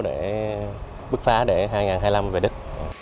và bước phá để hai nghìn hai mươi năm về đất